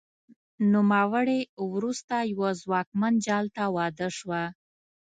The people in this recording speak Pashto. نوموړې وروسته یوه ځواکمن جال ته واده شوه